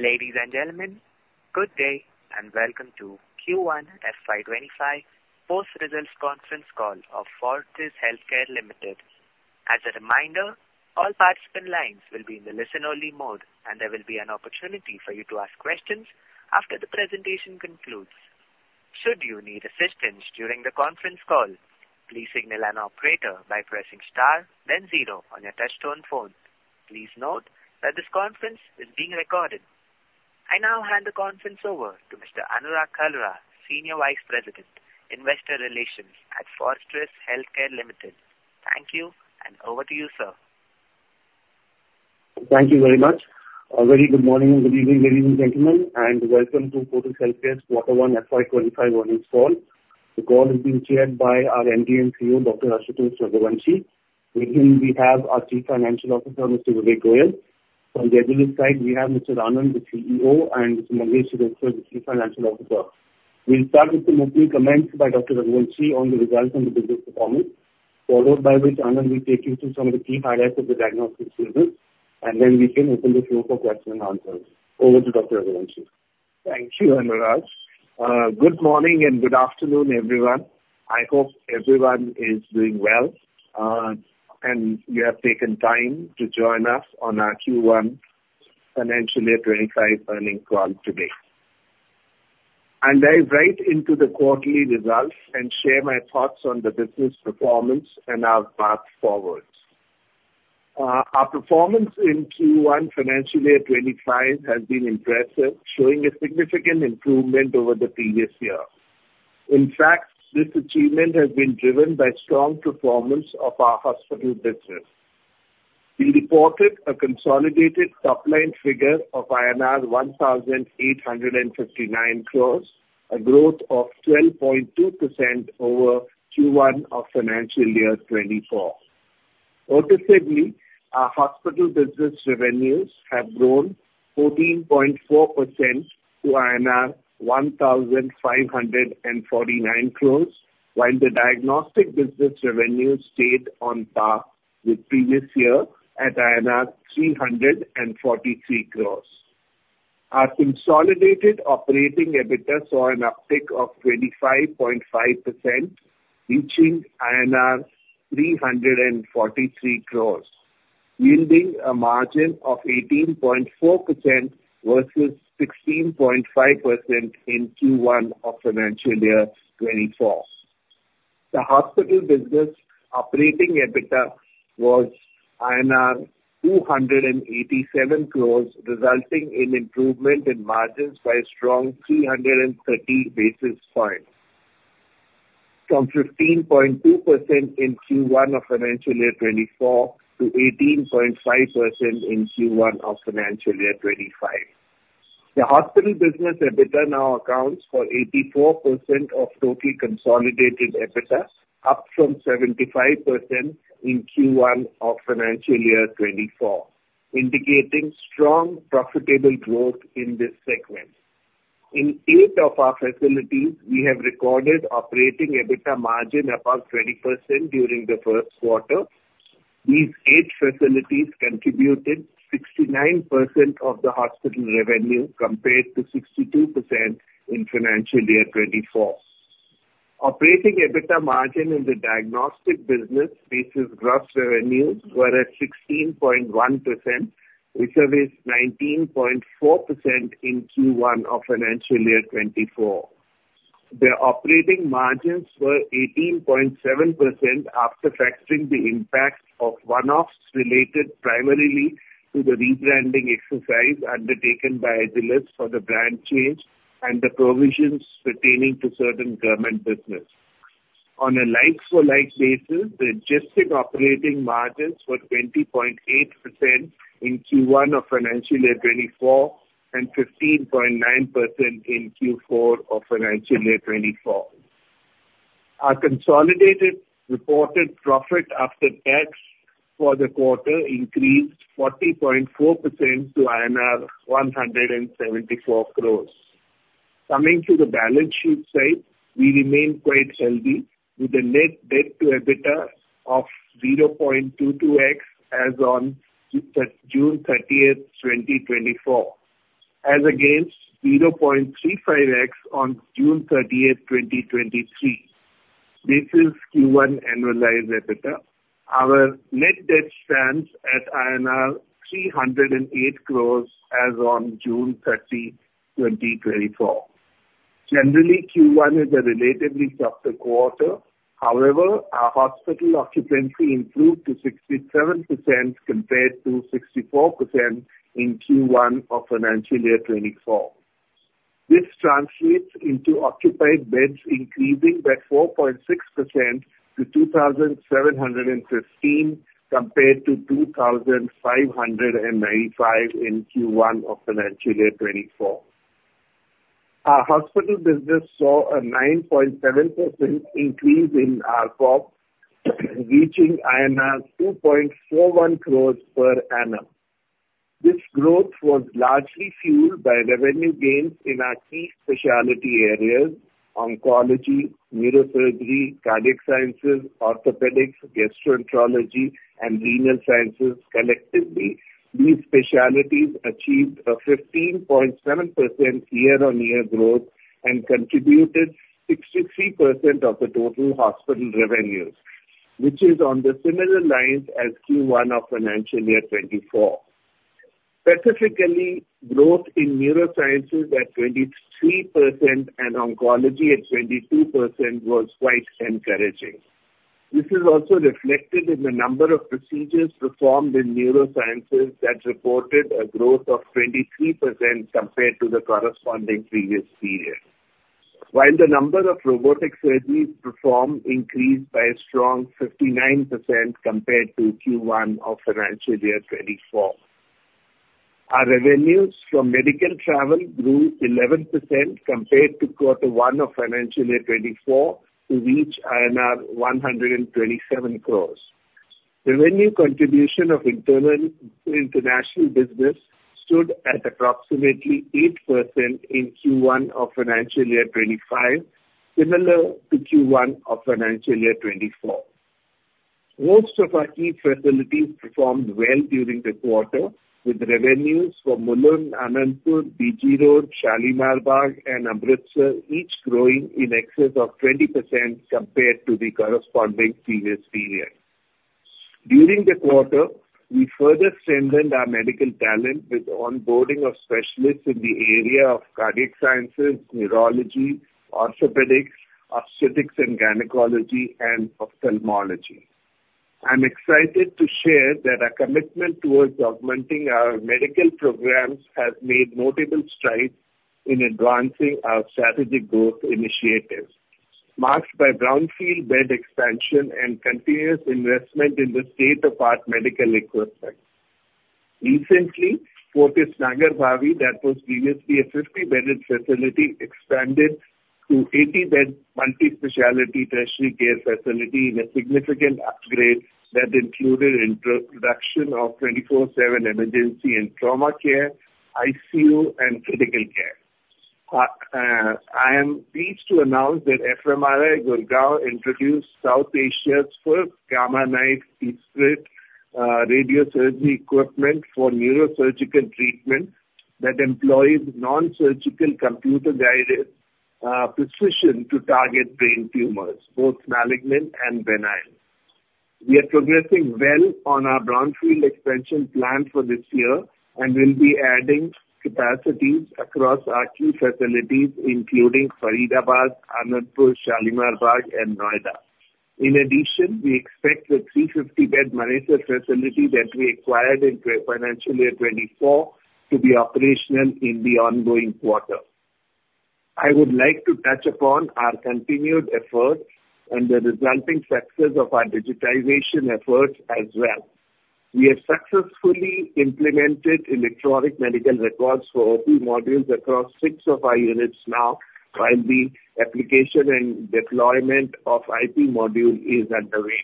Ladies and gentlemen, good day, and welcome to Q1 FY25 Post-Results Conference Call of Fortis Healthcare Limited. As a reminder, all participant lines will be in the listen-only mode, and there will be an opportunity for you to ask questions after the presentation concludes. Should you need assistance during the conference call, please signal an operator by pressing star then zero on your touchtone phone. Please note that this conference is being recorded. I now hand the conference over to Mr. Anurag Kalra, Senior Vice President, Investor Relations at Fortis Healthcare Limited. Thank you, and over to you, sir. Thank you very much. A very good morning and good evening, ladies and gentlemen, and welcome to Fortis Healthcare's Quarter 1 FY25 earnings call. The call is being chaired by our MD & CEO, Dr. Ashutosh Raghuvanshi. With him, we have our Chief Financial Officer, Mr. Vivek Goyal. From the Agilus side, we have Mr. Anand, the CEO, and Mr. Mangesh Shirodkar, the Chief Financial Officer. We'll start with some opening comments by Dr. Raghuvanshi on the results and the business performance, followed by which Anand will take you through some of the key highlights of the diagnostics business, and then we can open the floor for question and answers. Over to Dr. Raghuvanshi. Thank you, Anurag. Good morning and good afternoon, everyone. I hope everyone is doing well, and you have taken time to join us on our Q1 financial year 2025 earnings call today. I'll dive right into the quarterly results and share my thoughts on the business performance and our path forward. Our performance in Q1 financial year 2025 has been impressive, showing a significant improvement over the previous year. In fact, this achievement has been driven by strong performance of our hospital business. We reported a consolidated top-line figure of INR 1,859 crores, a growth of 12.2% over Q1 of financial year 2024. Noticeably, our hospital business revenues have grown 14.4% to INR 1,549 crores, while the diagnostic business revenues stayed on par with previous year at 343 crores. Our consolidated operating EBITDA saw an uptick of 25.5%, reaching INR 343 crores, yielding a margin of 18.4% versus 16.5% in Q1 of financial year 2024. The hospital business operating EBITDA was INR 287 crores, resulting in improvement in margins by a strong 330 basis points, from 15.2% in Q1 of financial year 2024 to 18.5% in Q1 of financial year 2025. The hospital business EBITDA now accounts for 84% of total consolidated EBITDA, up from 75% in Q1 of financial year 2024, indicating strong, profitable growth in this segment. In eight of our facilities, we have recorded operating EBITDA margin above 20% during the first quarter. These eight facilities contributed 69% of the hospital revenue, compared to 62% in financial year 2024. Operating EBITDA margin in the diagnostic business basis gross revenues were at 16.1%, which was 19.4% in Q1 of financial year 2024. The operating margins were 18.7% after factoring the impact of one-offs related primarily to the rebranding exercise undertaken by Agilus for the brand change and the provisions pertaining to certain government business. On a like-for-like basis, the adjusted operating margins were 20.8% in Q1 of financial year 2024 and 15.9% in Q4 of financial year 2024. Our consolidated reported profit after tax for the quarter increased 40.4% to INR 174 crores. Coming to the balance sheet side, we remain quite healthy, with a net debt to EBITDA of 0.22x as on June 30, 2024, as against 0.35x on June 30, 2023. This is Q1 annualized EBITDA. Our net debt stands at INR 308 crores as on June 30, 2024. Generally, Q1 is a relatively softer quarter. However, our hospital occupancy improved to 67%, compared to 64% in Q1 of financial year 2024. This translates into occupied beds increasing by 4.6% to 2,715, compared to 2,595 in Q1 of financial year 2024. Our hospital business saw a 9.7% increase in ARPOB, reaching INR 2.41 crores per annum. This growth was largely fueled by revenue gains in our key specialty areas—oncology, neurosurgery, cardiac sciences, orthopedics, gastroenterology, and renal sciences collectively. These specialties achieved a 15.7% year-on-year growth and contributed 63% of the total hospital revenues, which is on the similar lines as Q1 of financial year 2024. Specifically, growth in neurosciences at 23% and oncology at 22% was quite encouraging. This is also reflected in the number of procedures performed in neurosciences that reported a growth of 23% compared to the corresponding previous period, while the number of robotic surgeries performed increased by a strong 59% compared to Q1 of financial year 2024. Our revenues from medical travel grew 11% compared to Quarter 1 of Financial Year 2024, to reach INR 127 crore. Revenue contribution of internal, international business stood at approximately 8% in Q1 of Financial Year 2025, similar to Q1 of Financial Year 2024. Most of our key facilities performed well during the quarter, with revenues from Mulund, Anandapur, BG Road, Shalimar Bagh, and Amritsar each growing in excess of 20% compared to the corresponding previous period. During the quarter, we further strengthened our medical talent with onboarding of specialists in the area of cardiac sciences, neurology, orthopedics, obstetrics and gynecology, and ophthalmology. I'm excited to share that our commitment towards augmenting our medical programs has made notable strides in advancing our strategic growth initiatives, marked by brownfield bed expansion and continuous investment in the state-of-the-art medical equipment. Recently, Fortis Nagarbhavi, that was previously a 50-bedded facility, expanded to 80-bed multi-specialty tertiary care facility in a significant upgrade that included introduction of 24/7 emergency and trauma care, ICU, and critical care. I am pleased to announce that FMRI Gurgaon introduced South Asia's first Gamma Knife Esprit radiosurgery equipment for neurosurgical treatment that employs non-surgical, computer-guided precision to target brain tumors, both malignant and benign. We are progressing well on our brownfield expansion plan for this year and will be adding capacities across our key facilities, including Faridabad, Anandapur, Shalimar Bagh, and Noida. In addition, we expect the 350-bed Manesar facility that we acquired in financial year 2024 to be operational in the ongoing quarter. I would like to touch upon our continued efforts and the resulting success of our digitization efforts as well. We have successfully implemented electronic medical records for OP modules across six of our units now, while the application and deployment of IP module is underway.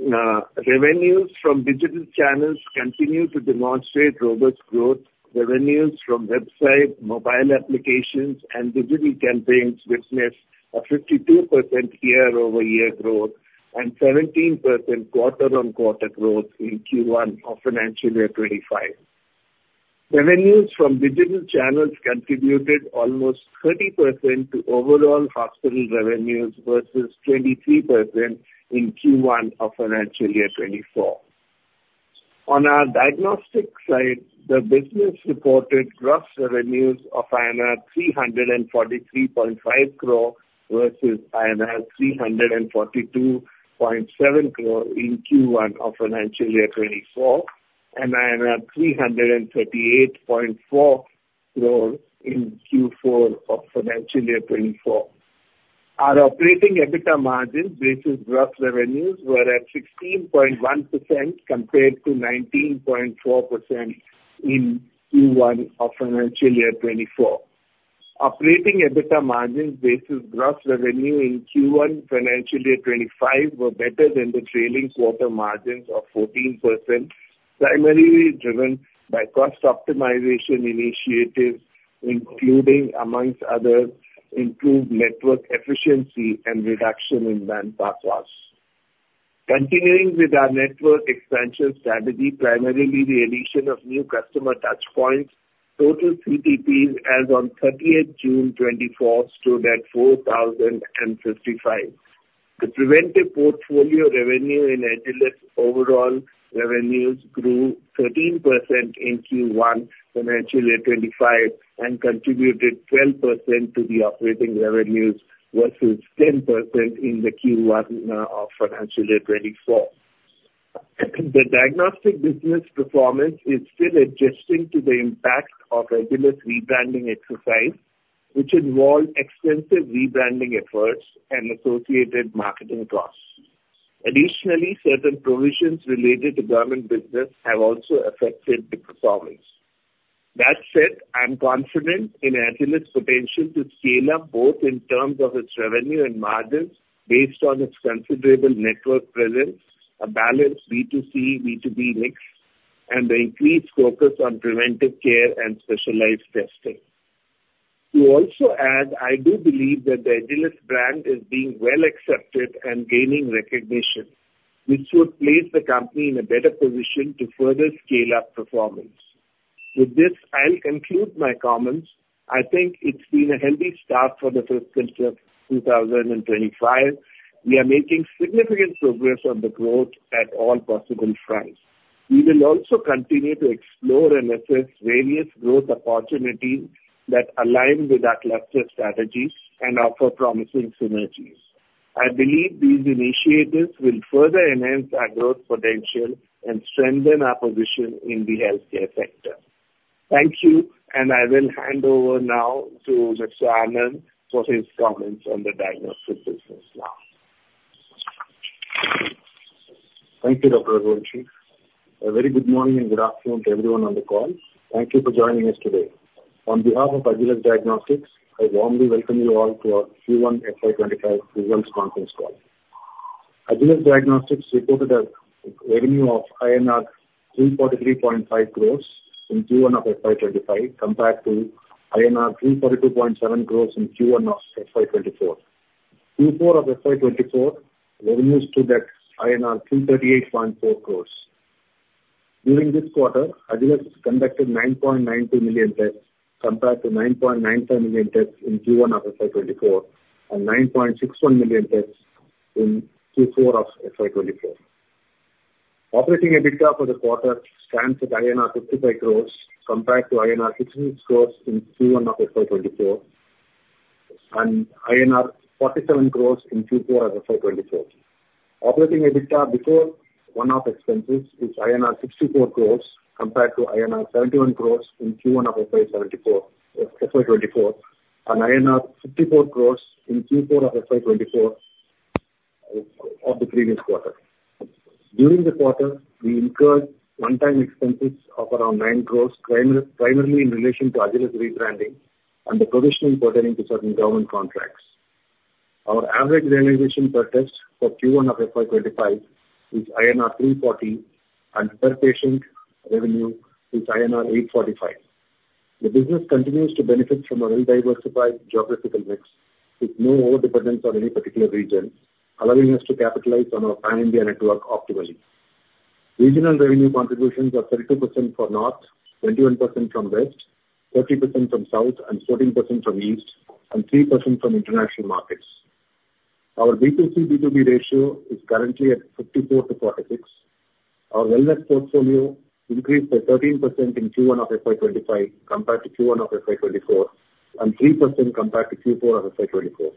Revenues from digital channels continue to demonstrate robust growth. Revenues from website, mobile applications, and digital campaigns witnessed a 52% year-over-year growth and 17% quarter-on-quarter growth in Q1 of financial year 2025. Revenues from digital channels contributed almost 30% to overall hospital revenues versus 23% in Q1 of financial year 2024. On our diagnostic side, the business reported gross revenues of INR 343.5 crore, versus INR 342.7 crore in Q1 of financial year 2024, and INR 338.4 crore in Q4 of financial year 2024. Our operating EBITDA margins versus gross revenues were at 16.1%, compared to 19.4% in Q1 of financial year 2024. Operating EBITDA margins versus gross revenue in Q1 financial year 2025 were better than the trailing quarter margins of 14%, primarily driven by cost optimization initiatives, including, amongst others, improved network efficiency and reduction in manpower costs. Continuing with our network expansion strategy, primarily the addition of new customer touchpoints, total CTPs as on 30th June 2024 stood at 4,055. The preventive portfolio revenue in Agilus overall revenues grew 13% in Q1 financial year 2025, and contributed 12% to the operating revenues versus 10% in the Q1 of financial year 2024. The diagnostic business performance is still adjusting to the impact of Agilus rebranding exercise, which involved extensive rebranding efforts and associated marketing costs. Additionally, certain provisions related to government business have also affected the performance. That said, I'm confident in Agilus' potential to scale up both in terms of its revenue and margins based on its considerable network presence, a balanced B2C, B2B mix—and the increased focus on preventive care and specialized testing. To also add, I do believe that the Agilus brand is being well accepted and gaining recognition, which would place the company in a better position to further scale up performance. With this, I'll conclude my comments. I think it's been a healthy start for the first quarter of 2025. We are making significant progress on the growth at all possible fronts. We will also continue to explore and assess various growth opportunities that align with our cluster strategies and offer promising synergies. I believe these initiatives will further enhance our growth potential and strengthen our position in the healthcare sector. Thank you, and I will hand over now to Mr. Anand for his comments on the diagnostic business now. Thank you, Dr. Raghuvanshi. A very good morning and good afternoon to everyone on the call. Thank you for joining us today. On behalf of Agilus Diagnostics, I warmly welcome you all to our Q1 FY25 results conference call. Agilus Diagnostics reported a revenue of INR 343.5 crores in Q1 of FY25, compared to INR 342.7 crores in Q1 of FY24. Q4 of FY24, revenues stood at INR 338.4 crores. During this quarter, Agilus conducted 9.92 million tests, compared to 9.95 million tests in Q1 of FY24, and 9.61 million tests in Q4 of FY24. Operating EBITDA for the quarter stands at 55 crores, compared to 60 crores in Q1 of FY24, and 47 crores in Q4 of FY24. Operating EBITDA before one-off expenses is INR 64 crores, compared to INR 71 crores in Q1 of FY 2024, and INR 54 crores in Q4 of FY 2024 of the previous quarter. During the quarter, we incurred one-time expenses of around 9 crores, primarily in relation to Agilus rebranding and the provisioning pertaining to certain government contracts. Our average realization per test for Q1 of FY 2025 is INR 340, and per-patient revenue is INR 845. The business continues to benefit from a well-diversified geographical mix, with no overdependence on any particular region, allowing us to capitalize on our pan-India network optimally. Regional revenue contributions are 32% for north, 21% from west, 30% from south, and 14% from east, and 3% from international markets. Our B2C, B2B ratio is currently at 54:46. Our wellness portfolio increased by 13% in Q1 of FY 2025, compared to Q1 of FY 2024, and 3% compared to Q4 of FY 2024.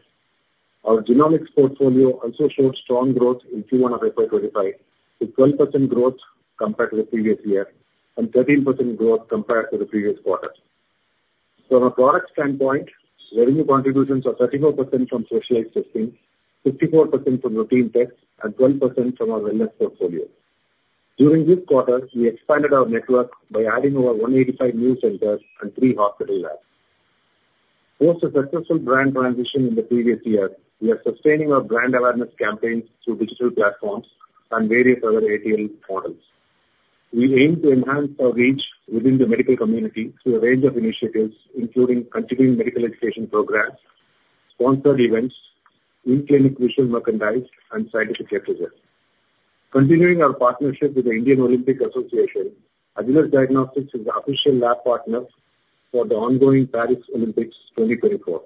Our genomics portfolio also showed strong growth in Q1 of FY 2025, with 12% growth compared to the previous year and 13% growth compared to the previous quarter. From a product standpoint, revenue contributions are 34% from specialized testing, 54% from routine tests, and 12% from our wellness portfolio. During this quarter, we expanded our network by adding over 185 new centers and three hospital labs. Post a successful brand transition in the previous year, we are sustaining our brand awareness campaigns through digital platforms and various other ATL models. We aim to enhance our reach within the medical community through a range of initiatives, including continuing medical education programs, sponsored events, in-clinic visual merchandise, and scientific papers. Continuing our partnership with the Indian Olympic Association, Agilus Diagnostics is the official lab partner for the ongoing Paris Olympics 2024.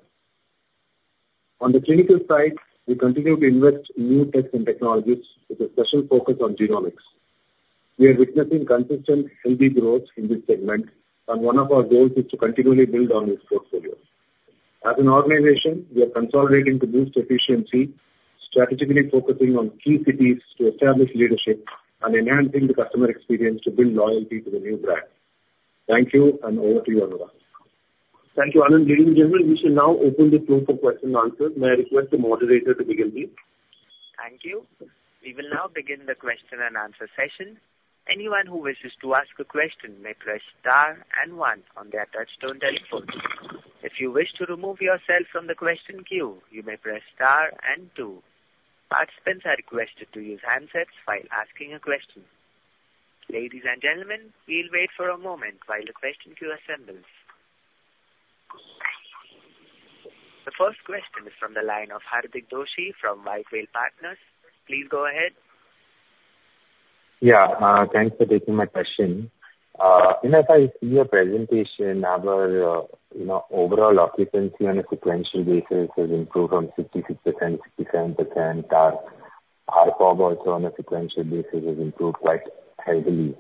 On the clinical side, we continue to invest in new tests and technologies with a special focus on genomics. We are witnessing consistent, healthy growth in this segment, and one of our goals is to continually build on this portfolio. As an organization, we are consolidating to boost efficiency, strategically focusing on key cities to establish leadership, and enhancing the customer experience to build loyalty to the new brand. Thank you, and over to you, Anurag. Thank you, Anand. Ladies and gentlemen, we should now open the floor for questions and answers. May I request the moderator to begin, please? Thank you. We will now begin the question and answer session. Anyone who wishes to ask a question may press star and one on their touchtone telephone. If you wish to remove yourself from the question queue, you may press star and two. Participants are requested to use handsets while asking a question. Ladies and gentlemen, we'll wait for a moment while the question queue assembles. The first question is from the line of Hardik Doshi from White Whale Partners. Please go ahead. Yeah, thanks for taking my question. You know, if I see your presentation, our, you know, overall occupancy on a sequential basis has improved from 66% to 67%. Our, our ARPOB also on a sequential basis has improved quite heavily.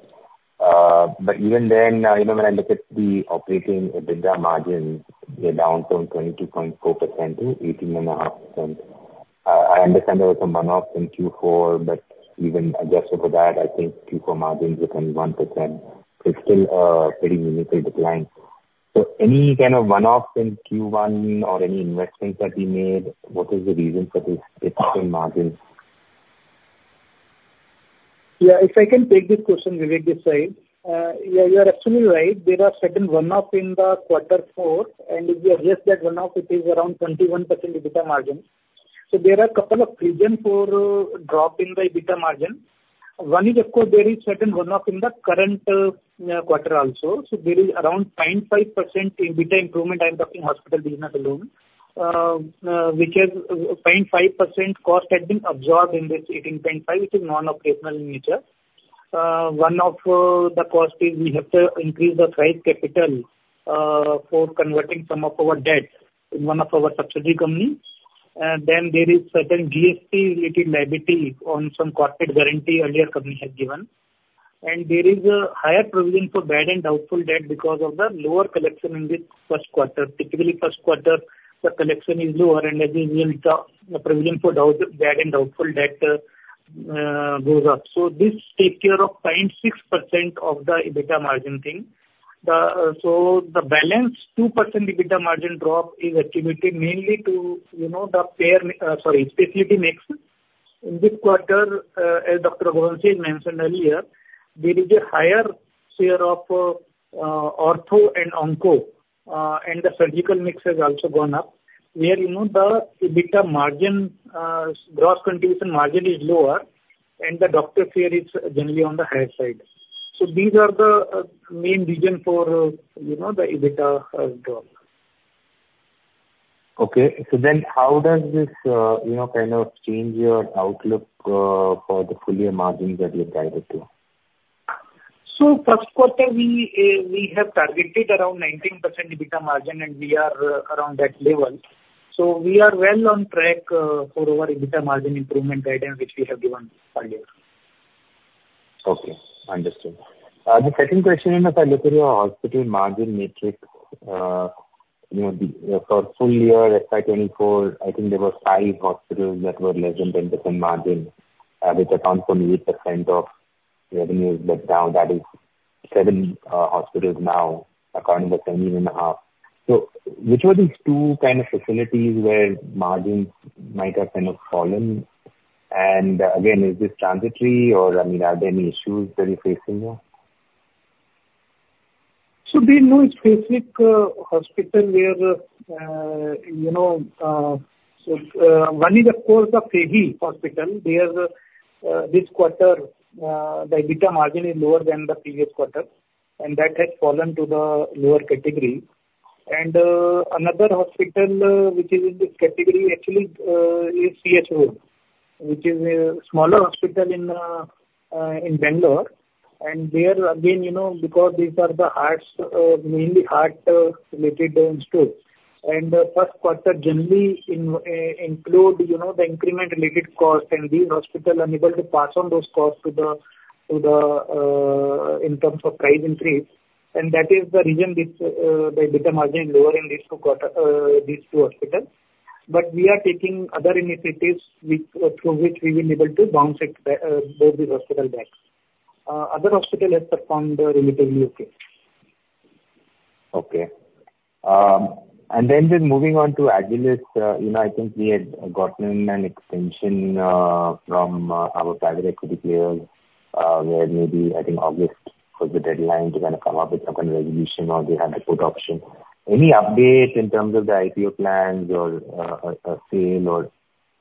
But even then, you know, when I look at the operating EBITDA margins, they're down from 22.4% to 18.5%. I understand there was some one-offs in Q4, but even adjusted for that, I think Q4 margins were 21%. It's still a pretty meaningful decline. So any kind of one-offs in Q1 or any investments that we made, what is the reason for this decline in margins? Yeah, if I can take this question, Vivek this side. Yeah, you are absolutely right. There are certain one-off in the quarter four, and if you adjust that one-off, it is around 21% EBITDA margin. So there are a couple of reasons for the drop in the EBITDA margin. One is, of course, there is certain one-off in the current quarter also. So there is around 0.5% EBITDA improvement, I'm talking hospital business alone. Which is 0.5% cost has been absorbed in this 18.5, which is non-operational in nature. One of the costs is we have to increase the price capital for converting some of our debt in one of our subsidiary companies. And then there is certain GST related liability on some corporate guarantee earlier company has given. And there is a higher provision for bad and doubtful debt because of the lower collection in the first quarter. Typically, first quarter, the collection is lower, and as we will, the provision for doubt, bad and doubtful debt goes up. So this take care of 0.6% of the EBITDA margin thing. So the balance 2% EBITDA margin drop is attributed mainly to, you know, the payer, sorry, specialty mix. In this quarter, as Dr. Raghuvanshi mentioned earlier, there is a higher share of ortho and onco, and the surgical mix has also gone up, where, you know, the EBITDA margin, gross contribution margin is lower, and the doctor share is generally on the higher side. So these are the main reason for, you know, the EBITDA drop. Okay. So then how does this, you know, kind of change your outlook for the full year margins that you had guided to? So first quarter, we, we have targeted around 19% EBITDA margin, and we are around that level. So we are well on track, for our EBITDA margin improvement guidance, which we have given earlier. Okay, understood. The second question is, as I look at your hospital margin matrix, you know, the, for full year FY 2024, I think there were 5 hospitals that were less than 10% margin, which account for 8% of revenues, but now that is 7 hospitals now, accounting for 10.5%. So which were these two kind of facilities where margins might have kind of fallen? And again, is this transitory or, I mean, are there any issues that you're facing here? So we know specific hospital where, you know, so, one is of course the FEHI hospital, where, this quarter, the EBITDA margin is lower than the previous quarter, and that has fallen to the lower category. And, another hospital, which is in this category actually, is CG Road, which is a smaller hospital in, in Bangalore. And there again, you know, because these are the hearts, mainly heart related stores. And, first quarter generally in, include, you know, the increment related cost, and these hospitals are unable to pass on those costs to the, to the, in terms of price increase. And that is the reason this, the EBITDA margin is lower in these two quarter, these two hospitals. But we are taking other initiatives which, through which we'll be able to bounce it, both these hospitals back. Other hospital has performed relatively okay. Okay. And then just moving on to Agilus, you know, I think we had gotten an extension from our private equity players, where maybe I think August was the deadline to kind of come up with some kind of resolution or they had the put option. Any update in terms of the IPO plans or, a, a sale or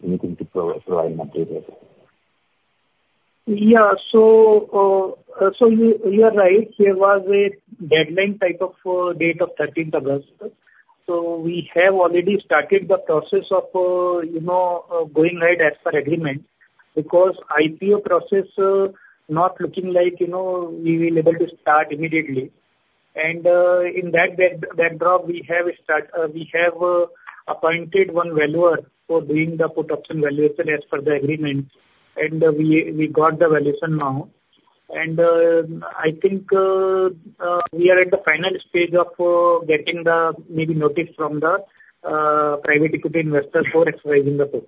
anything to provide an update there? Yeah. So, you are right. There was a deadline type of date of thirteenth August. So we have already started the process of, you know, going right as per agreement, because IPO process not looking like, you know, we will be able to start immediately. And, in that backdrop, we have started, we have appointed one valuer for doing the put option valuation as per the agreement. And, we got the valuation now. And, I think, we are at the final stage of getting the maybe notice from the private equity investor for exercising the put.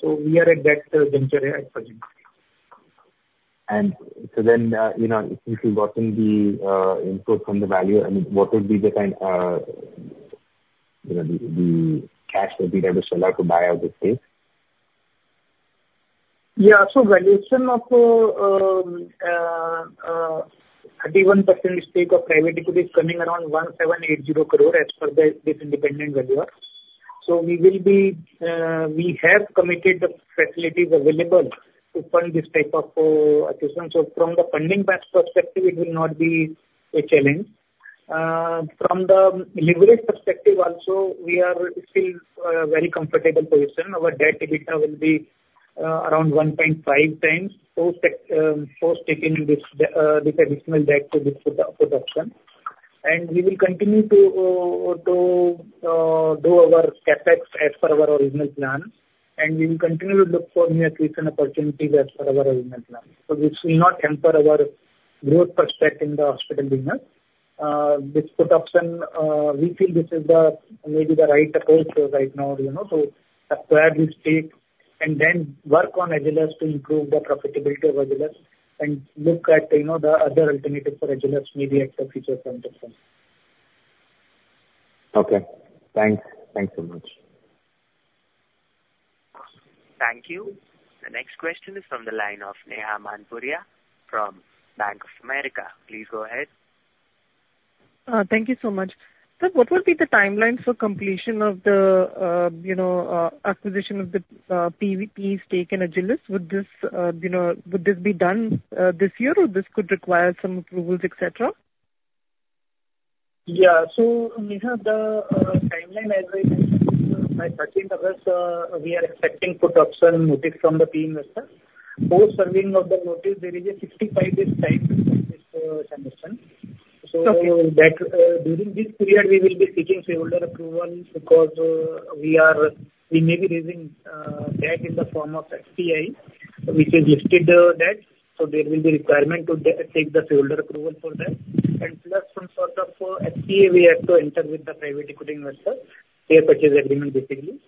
So we are at that venture, at present. And so then, you know, once you've gotten the input from the valuer, I mean, what would be the kind, you know, the cash that we have to sell out to buy out the stake? Yeah. So valuation of 31% stake of private equity is coming around 1,780 crore as per this independent valuer. So we will be, we have committed the facilities available to fund this type of acquisition. So from the funding perspective, it will not be a challenge. From the leverage perspective also, we are still very comfortable position. Our debt to EBITDA will be around 1.5 times, so for taking this additional debt to this put option. And we will continue to do our CapEx as per our original plan, and we will continue to look for new acquisition opportunities as per our original plan. So this will not hamper our growth prospect in the hospital business. This put option, we feel this is the, maybe the right approach right now, you know, so acquire this stake and then work on Agilus to improve the profitability of Agilus, and look at, you know, the other alternative for Agilus maybe at a future point of time. Okay, thanks. Thanks so much. Thank you. The next question is from the line of Neha Manpuria from Bank of America. Please go ahead. Thank you so much. But what will be the timeline for completion of the, you know, acquisition of the PE's stake in Agilus? Would this, you know, would this be done this year, or this could require some approvals, et cetera? Yeah. So, Neha, the timeline, as I mentioned, by 13th of this, we are expecting put option notice from the PE investor. Post serving of the notice, there is a 65-day time so that, during this period, we will be seeking shareholder approval because, we are, we may be raising, debt in the form of FPI, which is listed debt, so there will be requirement to take the shareholder approval for that. And plus some sort of, SPA we have to enter with the private equity investor, share purchase agreement, basically.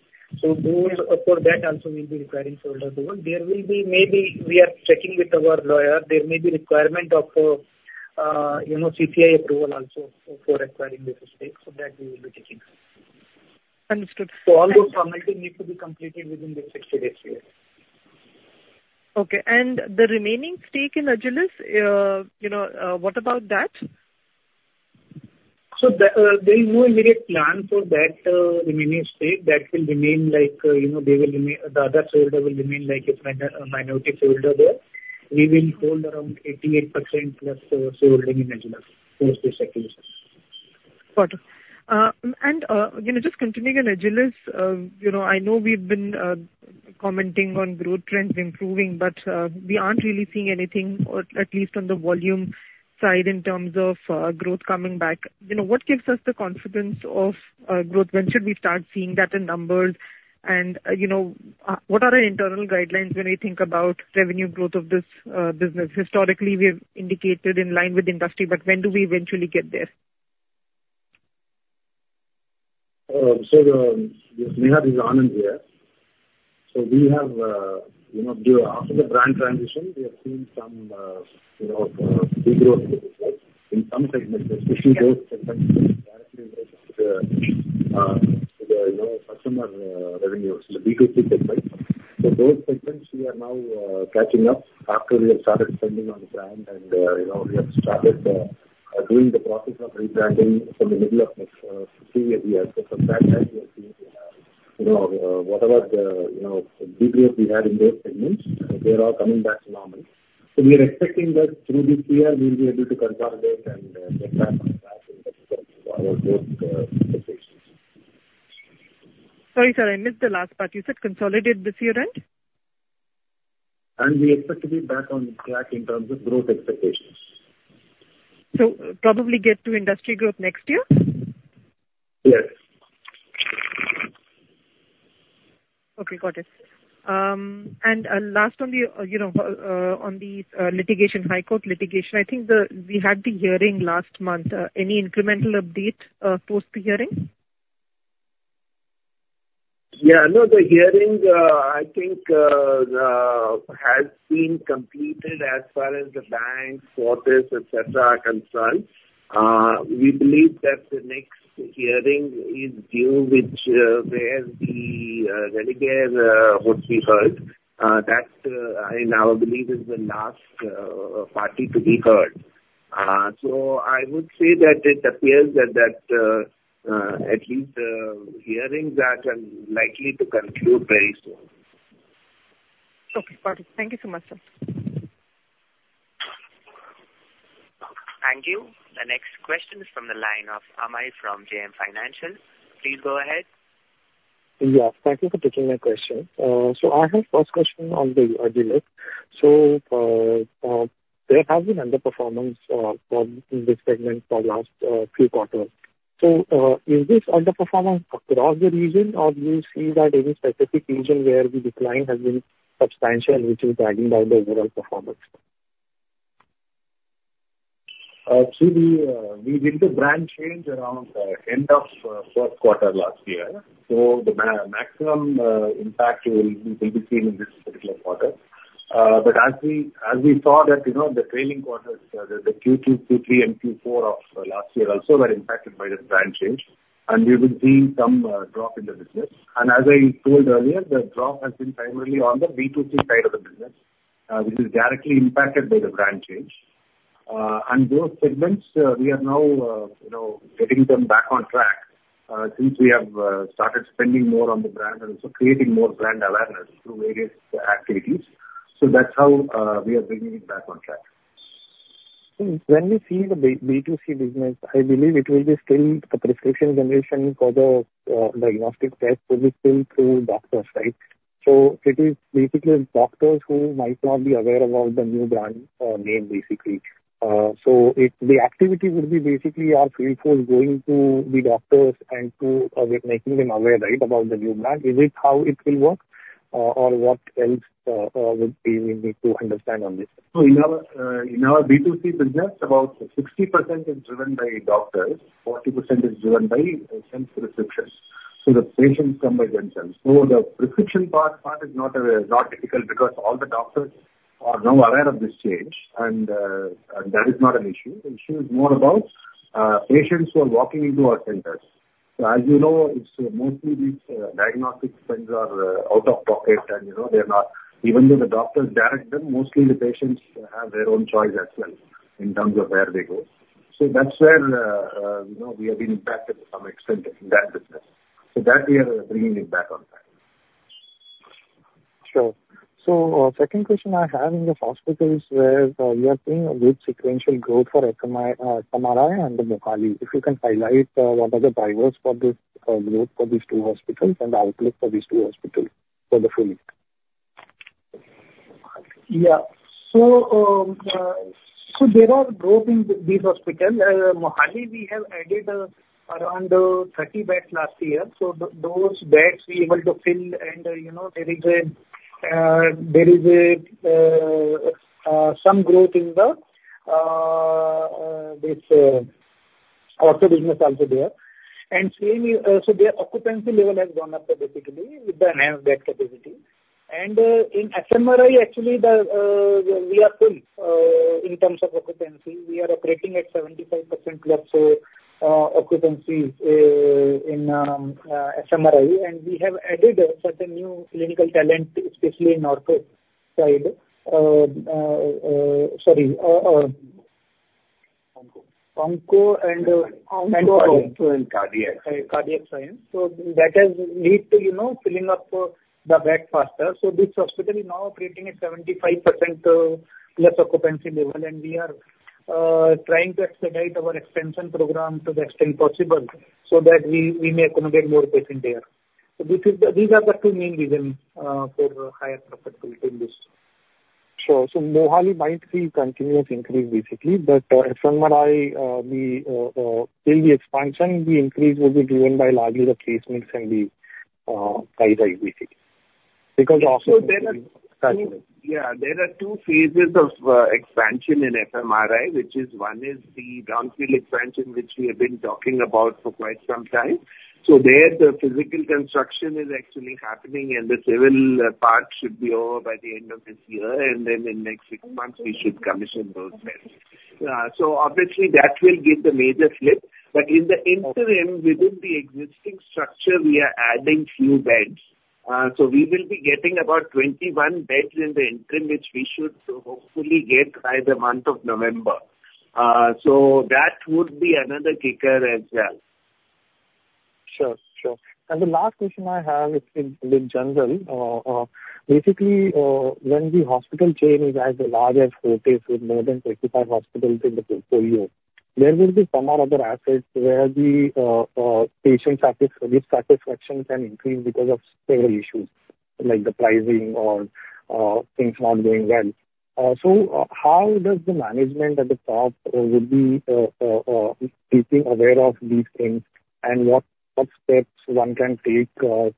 So those, for that also we'll be requiring shareholder approval. There will be maybe—we are checking with our lawyer, there may be requirement of, you know, CCI approval also for, for acquiring this stake, so that we will be checking. Understood. All those formalities need to be completed within the 60 days period. Okay. And the remaining stake in Agilus, you know, what about that? So there is no immediate plan for that remaining stake. That will remain like, you know, they will remain, the other shareholder will remain like a minority shareholder there. We will hold around 88% plus shareholding in Agilus. Got it. And, you know, just continuing on Agilus, you know, I know we've been commenting on growth trends improving, but we aren't really seeing anything, or at least on the volume side, in terms of growth coming back. You know, what gives us the confidence of growth? When should we start seeing that in numbers? And, you know, what are the internal guidelines when we think about revenue growth of this business? Historically, we have indicated in line with industry, but when do we eventually get there? So, Neha, this is Anand here. So we have, you know, during, after the brand transition, we have seen some, you know, degrowth in some segments, especially those segments, you know, customer, revenues, the B2C segment. So those segments we are now, catching up after we have started spending on the brand. And, you know, we have started, doing the process of rebranding from the middle of previous year. So from that, as you have seen, you know, whatever the, you know, degrowth we had in those segments, they're all coming back to normal. So we are expecting that through this year we will be able to consolidate and, get back on track in terms of our growth, expectations. Sorry, sir, I missed the last part. You said consolidate this year end? We expect to be back on track in terms of growth expectations. So probably get to industry growth next year? Yes. Okay, got it. And last on the, you know, on the litigation, High Court litigation, I think the, we had the hearing last month. Any incremental update post the hearing? Yeah. No, the hearing, I think, has been completed as far as the banks, corpus, et cetera, are concerned. We believe that the next hearing is due, which, where the Religare would be heard. That, I now believe, is the last party to be heard. So I would say that it appears that that, at least, hearings are likely to conclude very soon. Okay, got it. Thank you so much, sir. Thank you. The next question is from the line of Amey from JM Financial. Please go ahead. Yeah, thank you for taking my question. So, I have first question on the Agilus. So, there has been underperformance from this segment for last few quarters. So, is this underperformance across the region, or do you see that any specific region where the decline has been substantial, which is dragging down the overall performance? So we did the brand change around end of fourth quarter last year, so the maximum impact will be seen in this particular quarter. But as we saw that, you know, the trailing quarters, the Q2, Q3, and Q4 of last year also were impacted by this brand change, and we will see some drop in the business. And as I told earlier, the drop has been primarily on the B2C side of the business, which is directly impacted by the brand change. And those segments, we are now, you know, getting them back on track, since we have started spending more on the brand and also creating more brand awareness through various activities. So that's how we are bringing it back on track. When we see the B2C business, I believe it will be still a prescription generation for the diagnostic test to be still through doctors, right? So it is basically doctors who might not be aware about the new brand name, basically. So the activity would be basically our field force going to the doctors and to making them aware, right, about the new brand. Is it how it will work, or what else would we need to understand on this? So in our, in our B2C business, about 60% is driven by doctors, 40% is driven by self-prescription, so the patients come by themselves. So the prescription part is not difficult because all the doctors are now aware of this change, and that is not an issue. The issue is more about patients who are walking into our centers. So as you know, it's mostly these diagnostic tests are out of pocket, and, you know, they're not. Even though the doctors direct them, mostly the patients have their own choice as well, in terms of where they go. So that's where, you know, we have been impacted to some extent in that business. So that we are bringing it back on time. Sure. So, second question I have in the hospitals, where we are seeing a good sequential growth for FMRI, FMRI and Mohali. If you can highlight, what are the drivers for this, growth for these two hospitals and the outlook for these two hospitals for the full year. Yeah. So, there are growth in these hospitals. Mohali, we have added around 30 beds last year. So those beds we were able to fill, and, you know, there is some growth in this ortho business also there. And same, so their occupancy level has gone up, basically, with the nine-bed capacity. And, in FMRI, actually, we are full in terms of occupancy. We are operating at 75%+ occupancy in FMRI, and we have added certain new clinical talent, especially in ortho side. Sorry, Onco. Onco and— Onco and cardiac. Cardiac science. So that has led to, you know, filling up the bed faster. So this hospital is now operating at 75% plus occupancy level, and we are trying to expedite our expansion program to the extent possible, so that we may accommodate more patients there. So this is the—these are the two main reasons for higher profitability in this. Sure. So Mohali might see continuous increase, basically, but, FMRI, till the expansion, the increase will be driven by largely the placements and the, pricing, basically. Because also— So there are two- Got you. Yeah, there are two phases of expansion in FMRI, which is one is the brownfield expansion, which we have been talking about for quite some time. So there, the physical construction is actually happening, and the civil part should be over by the end of this year, and then in next six months, we should commission those beds. So obviously that will give the major flip. But in the interim, within the existing structure, we are adding few beds. So we will be getting about 21 beds in the interim, which we should hopefully get by the month of November. So that would be another kicker as well. Sure, sure. And the last question I have is in general, basically, when the hospital chain is as large as Fortis, with more than 35 hospitals in the portfolio, there will be some or other assets where the patient satisfaction can increase because of several issues, like the pricing or things not going well. So how does the management at the top would be keeping aware of these things, and what steps one can take to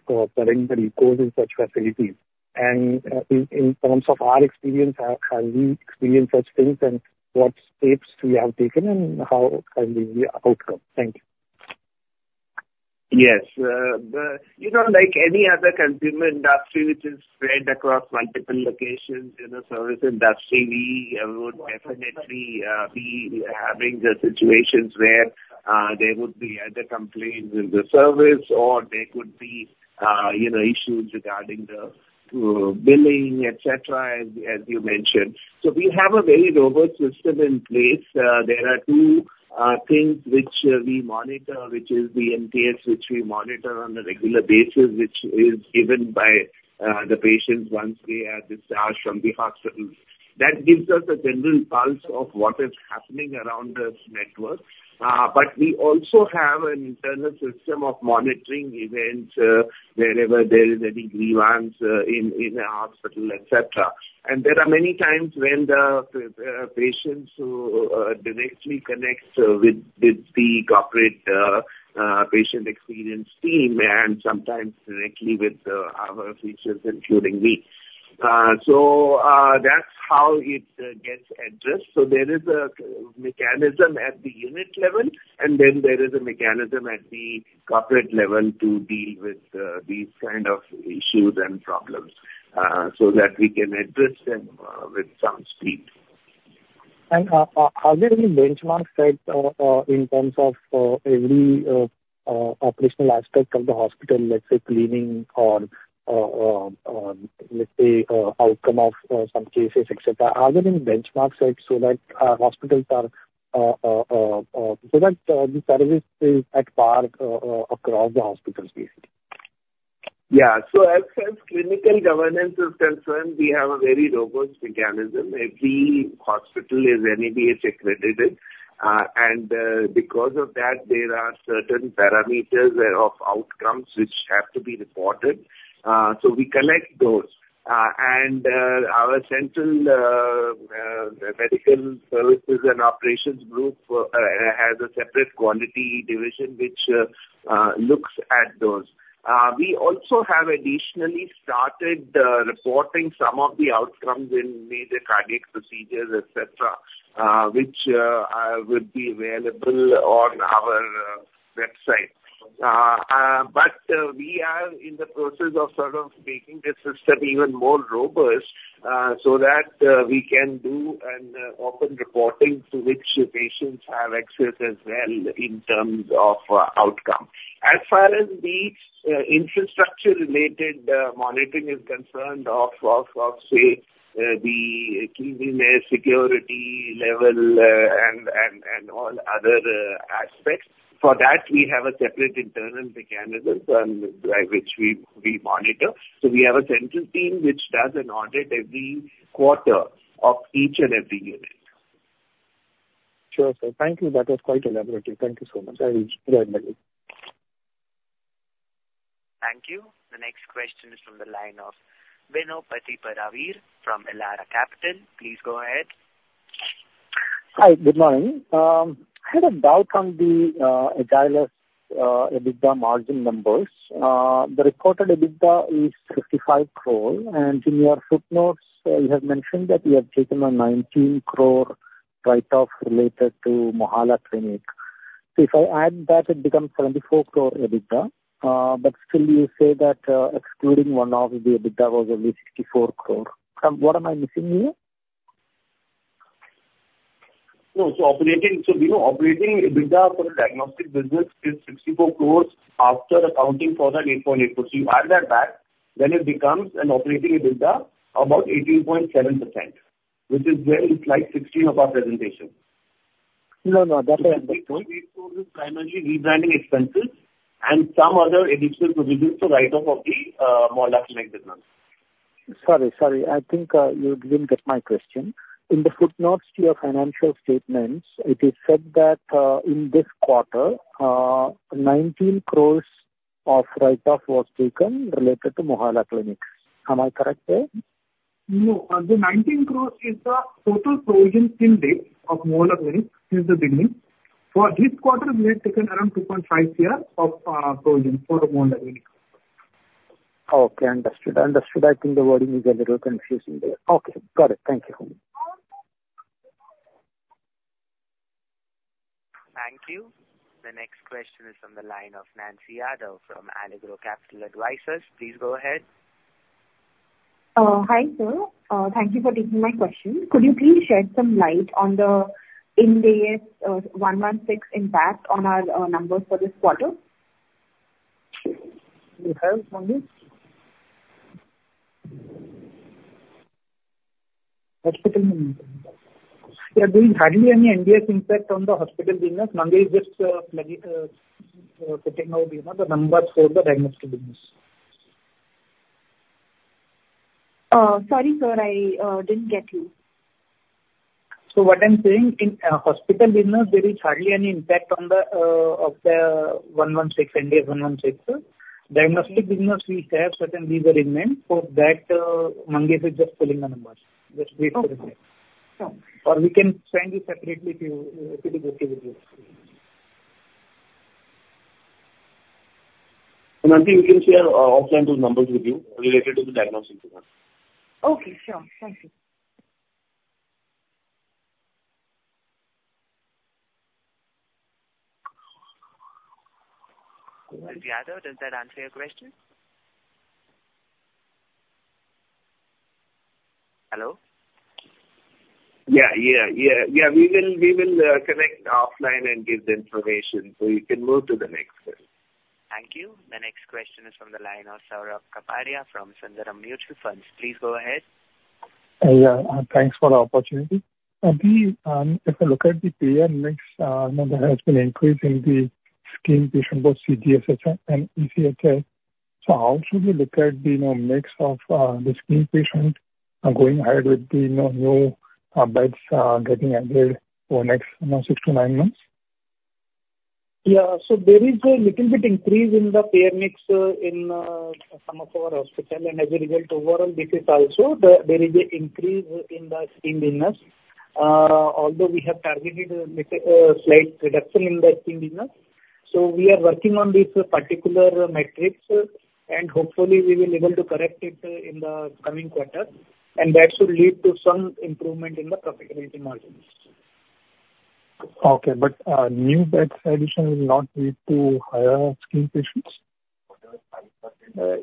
correct any course in such facilities? And in terms of our experience, have we experienced such things, and what steps we have taken and how have been the outcome? Thank you. Yes. The, you know, like any other consumer industry which is spread across multiple locations in the service industry, we would definitely be having the situations where there would be either complaints in the service or there could be, you know, issues regarding the billing, et cetera, as you mentioned. So we have a very robust system in place. There are two things which we monitor, which is the NPS, which we monitor on a regular basis, which is given by the patients once they are discharged from the hospital. That gives us a general pulse of what is happening around this network. But we also have an internal system of monitoring events wherever there is any grievance in a hospital, et cetera. And there are many times when the patients directly connect with the corporate patient experience team, and sometimes directly with our officials, including me. So, that's how it gets addressed. So there is a mechanism at the unit level, and then there is a mechanism at the corporate level to deal with these kind of issues and problems, so that we can address them with some speed. Are there any benchmarks set in terms of every operational aspect of the hospital, let's say, cleaning or, let's say, outcome of some cases, et cetera? Are there any benchmarks set so that hospitals are so that the service is at par across the hospitals basically? Yeah. So as clinical governance is concerned, we have a very robust mechanism. Every hospital is NABH accredited, and because of that, there are certain parameters of outcomes which have to be reported. So we collect those. And our central medical services and operations group has a separate quality division, which looks at those. We also have additionally started reporting some of the outcomes in major cardiac procedures, et cetera, which would be available on our website. But we are in the process of sort of making this system even more robust. So that we can do an open reporting to which the patients have access as well in terms of outcome. As far as the infrastructure related monitoring is concerned of say the cleanliness, security level, and all other aspects, for that we have a separate internal mechanism by which we monitor. So we have a central team which does an audit every quarter of each and every unit. Sure, sir. Thank you. That was quite elaborative. Thank you so much. I really enjoyed that. Thank you. The next question is from the line of Bino Pathiparampil from Elara Capital. Please go ahead. Hi, good morning. I had a doubt on the, Agilus's, EBITDA margin numbers. The reported EBITDA is 55 crore, and in your footnotes, you have mentioned that you have taken a 19 crore write-off related to Mohalla Clinic. So if I add that, it becomes 74 crore EBITDA, but still you say that, excluding one-off, the EBITDA was only 64 crore. What am I missing here? No, operating, you know, operating EBITDA for the diagnostic business is 64 crore after accounting for that 8.8 crore. So you add that back, then it becomes an operating EBITDA, about 18.7%, which is where it's like 16 of our presentation. No, no, that's- 8 point is primarily rebranding expenses and some other additional provisions for write-off of the Mohalla Clinic business. Sorry, sorry. I think you didn't get my question. In the footnotes to your financial statements, it is said that in this quarter, 19 crore of write-off was taken related to Mohalla Clinics. Am I correct there? No, the 19 crore is the total provision till date of Mohalla Clinics since the beginning. For this quarter, we had taken around 2.5 crore of provision for the Mohalla Clinics. Okay, understood. Understood. I think the wording is a little confusing there. Okay, got it. Thank you. Thank you. The next question is from the line of Nancy Yadav from Allegro Capital Advisors. Please go ahead. Hi, sir. Thank you for taking my question. Could you please shed some light on the Ind AS 116 impact on our numbers for this quarter? Do you have, Mangesh? Hospital. There is hardly any Ind AS impact on the hospital business. Mangesh is just putting out, you know, the numbers for the diagnostic business. Sorry, sir, I didn't get you. So what I'm saying, in hospital business, there is hardly any impact on the of the 116, Ind AS 116. Diagnostic business, we have certain reimbursement. For that, Mangesh is just telling the numbers. Just wait for it. Okay. Sure. Or we can send you separately if it is okay with you. Nancy, we can share offline those numbers with you related to the diagnostic business. Okay, sure. Thank you. Nancy Yadav, does that answer your question? Hello? Yeah, yeah, yeah. Yeah, we will, we will, connect offline and give the information, so you can move to the next person. Thank you. The next question is from the line of Saurabh Kapadia from Sundaram Mutual Fund. Please go ahead. Yeah, thanks for the opportunity. If you look at the payer mix, you know, there has been increase in the CGHS patient, both CGHS and ECHS. So how should we look at the, you know, mix of, the CGHS patient, going ahead with the, you know, new, beds, getting added for next, you know, six to nine months? Yeah. So there is a little bit increase in the payer mix in some of our hospitals, and as a result, overall, there is an increase in the scheme business. Although we have targeted a slight reduction in the scheme business. So we are working on this particular metrics, and hopefully we will be able to correct it in the coming quarter, and that should lead to some improvement in the profitability margins. Okay, but, new bed addition will not lead to higher scheme patients?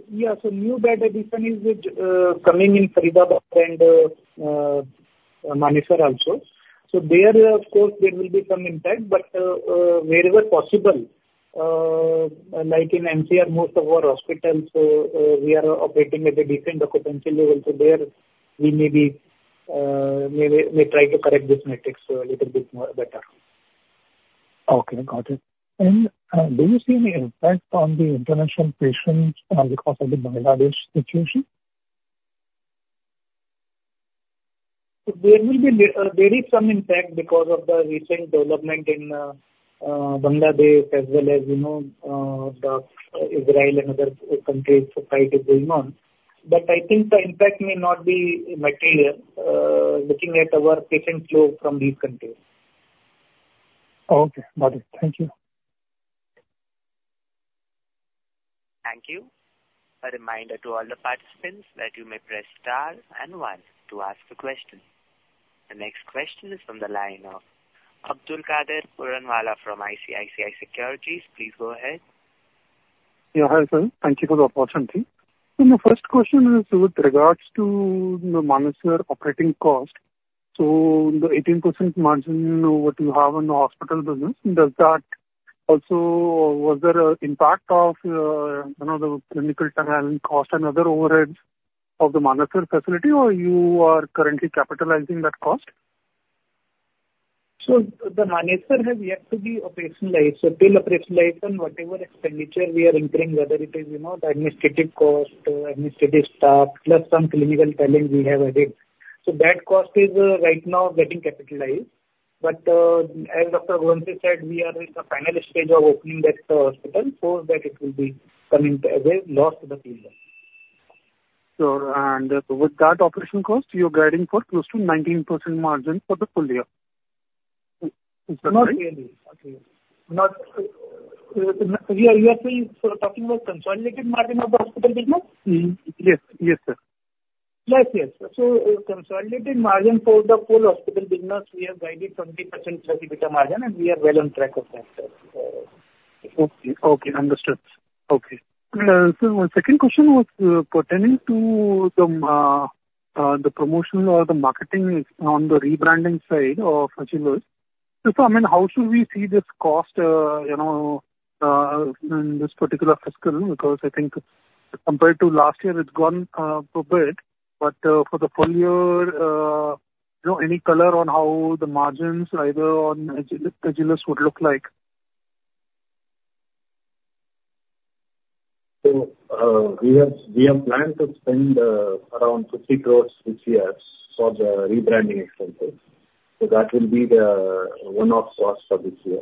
Yeah, so new bed addition is coming in Faridabad and Manesar also. So there, of course, there will be some impact, but wherever possible, like in NCR, most of our hospitals, we are operating at a different occupancy level, so there we may be, we try to correct this matrix a little bit more better. Okay, got it. And, do you see any impact on the international patients, because of the Bangladesh situation? There is some impact because of the recent development in Bangladesh as well as, you know, Israel and other countries, so fight is going on. But I think the impact may not be material, looking at our patient flow from these countries. Okay, got it. Thank you. Thank you. A reminder to all the participants that you may press Star and One to ask a question. The next question is from the line of Abdulkader Puranwala from ICICI Securities. Please go ahead. Yeah, hi, sir. Thank you for the opportunity. So my first question is with regards to the Manesar operating cost. So the 18% margin, what you have in the hospital business, does that also? Was there an impact of, you know, the clinical talent cost and other overheads of the Manesar facility, or you are currently capitalizing that cost? So the Manesar has yet to be operationalized. So till operationalization, whatever expenditure we are incurring, whether it is, you know, the administrative cost, administrative staff, plus some clinical talent we have added. So that cost is right now getting capitalized. But, as Dr. Raghuvanshi said, we are in the final stage of opening that hospital, so that it will be coming as a loss to the business. Sure. And with that operation cost, you're guiding for close to 19% margin for the full year. Not really. Not, we are, we are still talking about consolidated margin of the hospital business? Yes. Yes, sir. Yes, yes. Consolidated margin for the full hospital business, we have guided 20%+ EBITDA margin, and we are well on track of that, sir. So— Okay. Okay, understood. Okay. So my second question was, pertaining to the promotion or the marketing on the rebranding side of Agilus. So, I mean, how should we see this cost, you know, in this particular fiscal? Because I think compared to last year, it's gone up a bit, but for the full year, you know, any color on how the margins either on Agilus, Agilus would look like? We have, we have planned to spend around 50 crore this year for the rebranding expenses. That will be the one-off cost for this year.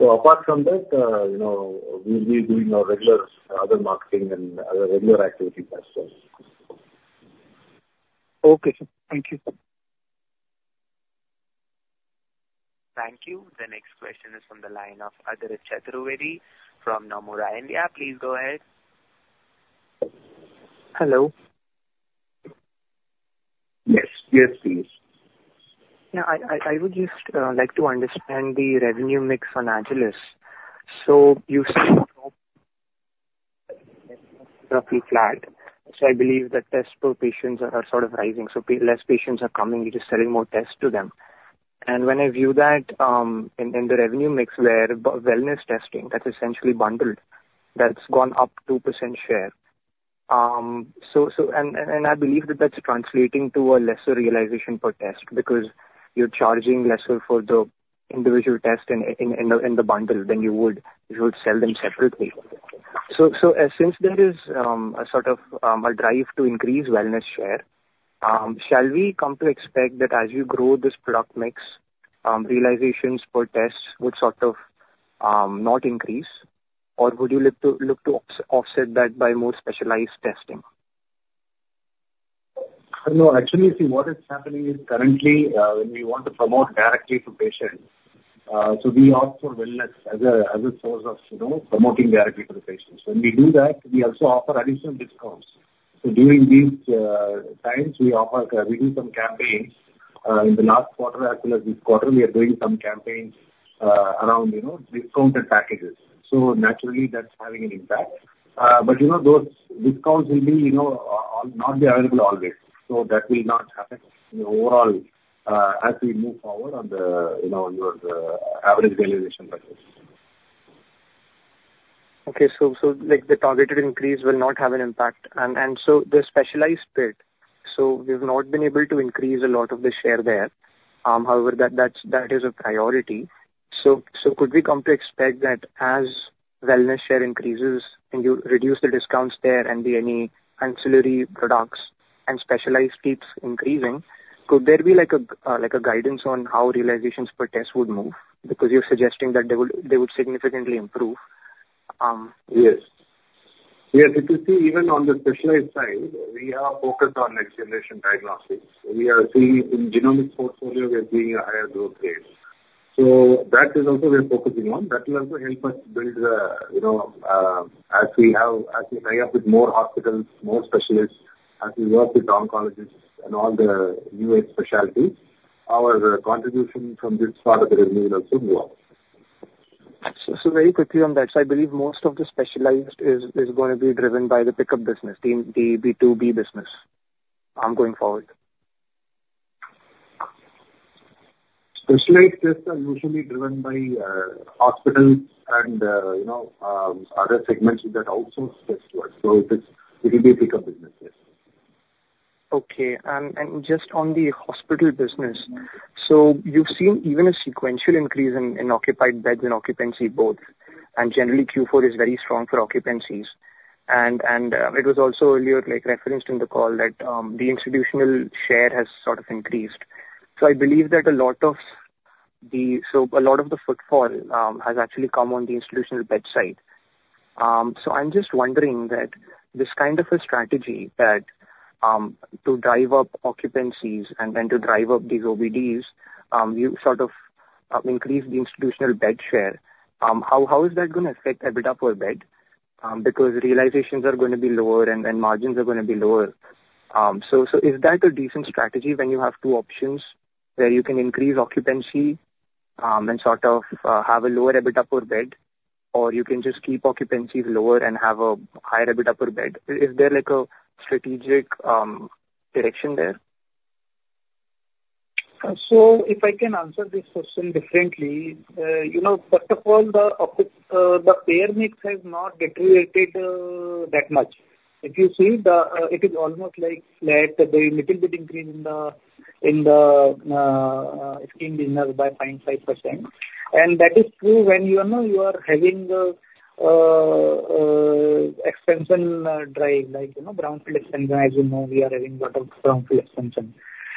Apart from that, you know, we'll be doing our regular other marketing and other regular activities as well. Okay, sir. Thank you. Thank you. The next question is from the line of Adrit Chaturvedi from Nomura India. Please go ahead. Hello. Yes. Yes, please. Yeah, I would just like to understand the revenue mix on Agilus. So you said roughly flat. So I believe the tests per patient are sort of rising, so less patients are coming, we're just selling more tests to them. And when I view that, in the revenue mix where wellness testing, that's essentially bundled, that's gone up 2% share. And I believe that that's translating to a lesser realization per test, because you're charging lesser for the individual test in the bundle than you would if you would sell them separately. So, since there is a sort of a drive to increase wellness share, shall we come to expect that as you grow this product mix, realizations per test would sort of not increase? Or would you look to offset that by more specialized testing? No, actually, see, what is happening is currently, when we want to promote directly to patients, so we offer wellness as a, as a source of, you know, promoting directly to the patients. When we do that, we also offer additional discounts. So during these, times, we offer, we do some campaigns. In the last quarter, actually this quarter, we are doing some campaigns, around, you know, discounted packages. So naturally, that's having an impact. But you know, those discounts will be, you know, not be available always, so that will not happen in the overall, as we move forward on the, you know, on your, average realization per test. Okay. So, like, the targeted increase will not have an impact. And so the specialized bit, so we've not been able to increase a lot of the share there. However, that is a priority. So could we come to expect that as wellness share increases and you reduce the discounts there and the any ancillary products and specialized keeps increasing, could there be like a, like, a guidance on how realizations per test would move? Because you're suggesting that they would significantly improve. Yes. Yes, if you see, even on the specialized side, we are focused on next generation diagnostics. We are seeing in genomic portfolio, we are seeing a higher growth rate. So that is also we are focusing on. That will also help us build, you know, as we have, as we tie up with more hospitals, more specialists, as we work with oncologists and all the new specialties, our contribution from this part of the revenue will also go up. So, so very quickly on that, so I believe most of the specialized is going to be driven by the pickup business, the B2B business, going forward. Specialized tests are usually driven by hospitals and, you know, other segments that also speaks to us. So it is. It will be a pickup business, yes. Okay. And just on the hospital business, so you've seen even a sequential increase in occupied beds and occupancy both, and generally Q4 is very strong for occupancies. And it was also earlier, like, referenced in the call that the institutional share has sort of increased. So I believe that a lot of the footfall has actually come on the institutional bedside. So I'm just wondering that this kind of a strategy that to drive up occupancies and then to drive up these OBDs, you sort of increase the institutional bed share. How is that going to affect EBITDA per bed? Because realizations are going to be lower and margins are going to be lower. So, is that a decent strategy when you have two options, where you can increase occupancy? And sort of have a lower EBITDA per bed, or you can just keep occupancies lower and have a higher EBITDA per bed. Is there like a strategic direction there? So if I can answer this question differently, you know, first of all, the payer mix has not deteriorated that much. If you see the, it is almost like flat, there is little bit increase in the, in the, scheme business by 0.5%. And that is true when you know you are having, expansion drive, like, you know, brownfield expansion. As you know, we are having lot of brownfield expansion.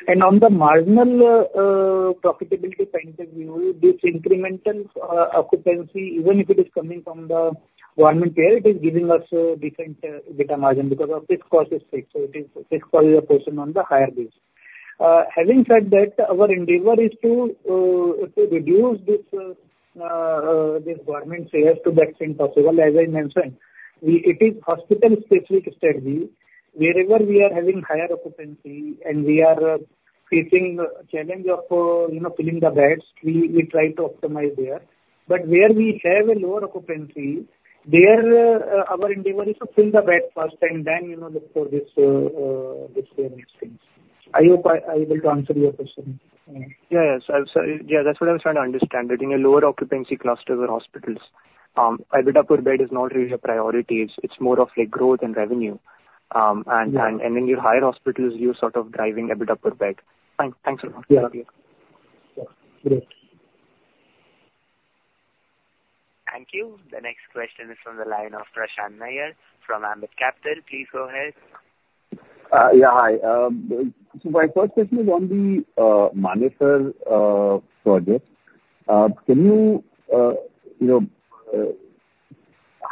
And on the marginal, profitability point of view, this incremental, occupancy, even if it is coming from the government payer, it is giving us a different EBITDA margin because our fixed cost is fixed, so it is, fixed cost is a person on the higher base. Having said that, our endeavor is to reduce this government payers to that thing possible as I mentioned. It is hospital-specific strategy. Wherever we are having higher occupancy and we are facing challenge of, you know, filling the beds, we try to optimize there. But where we have a lower occupancy, there, our endeavor is to fill the bed first and then, you know, look for this payer mix thing. I hope I will answer your question. Yeah, yes. I, so yeah, that's what I was trying to understand. That in your lower occupancy clusters or hospitals, EBITDA per bed is not really a priority, it's, it's more of like growth and revenue. And- Yeah. And then your higher hospitals, you're sort of driving EBITDA per bed. Thanks. Thanks a lot. Yeah. Thank you. Yeah. Great. Thank you. The next question is from the line of Prashant Nair from Ambit Capital. Please go ahead. Yeah. Hi, so my first question is on the Manesar project. Can you, you know,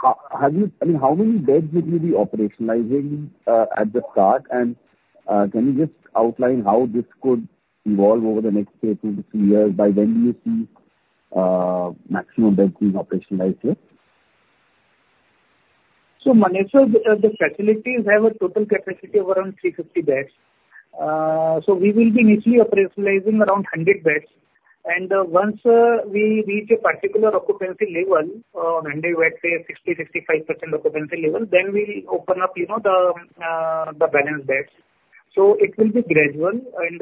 how—I mean, how many beds will you be operationalizing at the start? And can you just outline how this could evolve over the next two to three years? By when do you see maximum beds being operationalized here? So Manesar, the facilities have a total capacity of around 350 beds. So we will be initially operationalizing around 100 beds, and once we reach a particular occupancy level, when they were at, say, 60-65% occupancy level, then we open up, you know, the balance beds. So it will be gradual, and